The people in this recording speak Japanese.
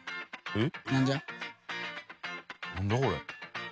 えっ？